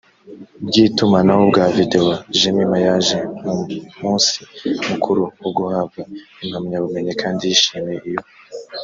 bw itumanaho bwa videwo jemima yaje mu munsi mukuru wo guhabwa impamyabumenyi kandi yishimiye iyo